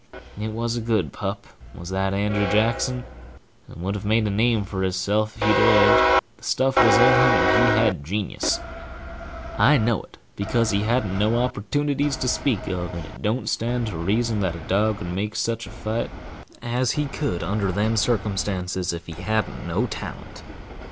It was a good pup, was that Andrew Jackson, and would have made a name for hisself if he'd lived, for the stuff was in him, and he had genius&#8212I know it, because he hadn't had no opportunities to speak of, and it don't stand to reason that a dog could make such a fight as he could under them circumstances, if he hadn't no talent.